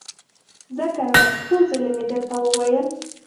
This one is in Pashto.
ځه کنه! څو ځلې مې درته وويل!